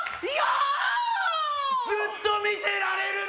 ずっと見てられるな！